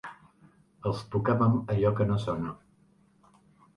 Els tocàvem allò que no sona.